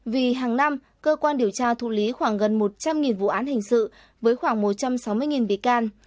vì hàng năm cơ quan điều tra thu lý khoảng gần một trăm linh vụ án hình sự với khoảng một trăm sáu mươi bị can